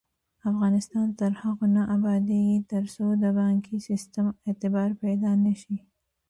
افغانستان تر هغو نه ابادیږي، ترڅو د بانکي سیستم اعتبار پیدا نشي.